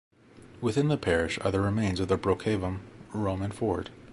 Within the parish are the remains of Brocavum Roman fort.